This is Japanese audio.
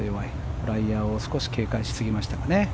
フライヤーを少し警戒しすぎましたかね。